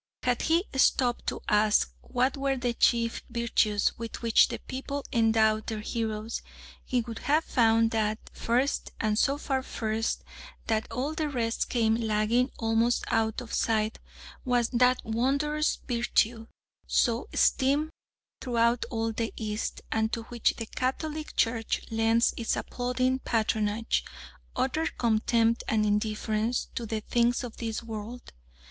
Had he stopped to ask what were the chief virtues with which the people endowed their heroes, he would have found that first, and so far first that all the rest came lagging almost out of sight, was that wondrous virtue so esteemed throughout all the East, and to which the Catholic Church lends its applauding patronage utter contempt and indifference to the things of this world.